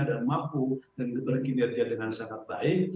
dan mampu dan berkinerja dengan sangat baik